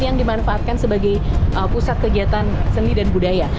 yang dimanfaatkan sebagai pusat kegiatan seni dan budaya